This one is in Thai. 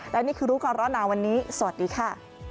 และนี่คือรู้ก่อนร้อนหนาวันนี้สวัสดีค่ะ